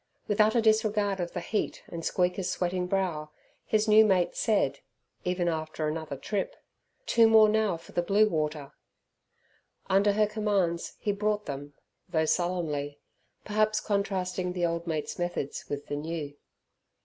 With utter disregard of the heat and Squeaker's sweating brow, his new mate said, even after another trip, two more now for the blue water. Under her commands he brought them, though sullenly, perhaps contrasting the old mate's methods with the new.